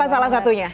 apa salah satunya